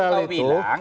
kalau itu kau bilang